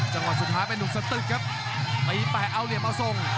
จังหวะสุดท้ายเป็นหนุ่มสตึกครับตีแปะเอาเหลี่ยมมาทรง